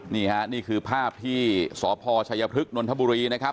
นี่ค่ะนี่คือภาพที่สพชัยพฤกษนนทบุรีนะครับ